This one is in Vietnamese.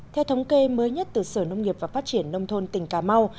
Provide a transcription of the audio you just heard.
theo thống kê mới nhất từ sở nông nghiệp và phát triển nông thôn tỉnh cà mau